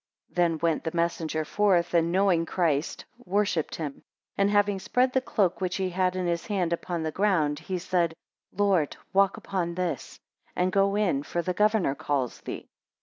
9 Then went the messenger forth, and knowing Christ, worshipped him; and having spread the cloak which he had in his hand upon the ground, he said, Lord, walk upon this, and go in, for the governor calls thee.